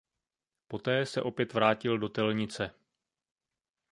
Poté se opět vrátil do Telnice.